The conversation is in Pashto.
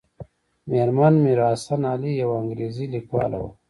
مېرمن میر حسن علي یوه انګریزۍ لیکواله وه.